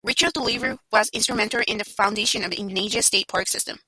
Richard Lieber was instrumental in the foundation of the Indiana State Park system.